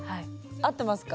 合ってますか？